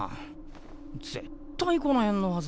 絶対この辺のはず。